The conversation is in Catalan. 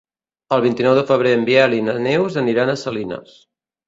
El vint-i-nou de febrer en Biel i na Neus aniran a Salines.